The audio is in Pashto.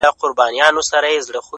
روانه سرگردانه را روانه سرگردانه _